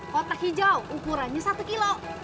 kotak hijau ukurannya satu kilo